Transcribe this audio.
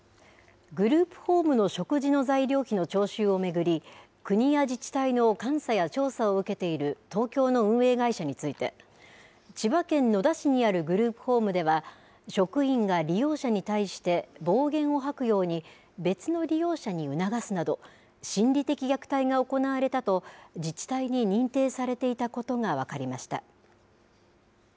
グループホームの食事の材料費の徴収を巡り国や自治体の監査や調査を受けている東京の運営会社について千葉県野田市にあるグループホームでは職員が利用者に対して暴言を吐くように別の利用者に促すなど心理的虐待が行われたと自治体に認定されていたことが分かりました。